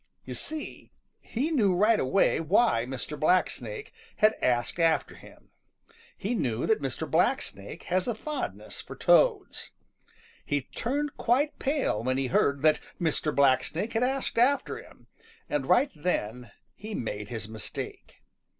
You see, he knew right away why Mr. Blacksnake had asked after him. He knew that Mr. Blacksnake has a fondness for Toads. He turned quite pale when he heard that Mr. Blacksnake had asked after him, and right then he made his mistake.